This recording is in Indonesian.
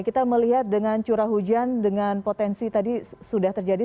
kita melihat dengan curah hujan dengan potensi tadi sudah terjadi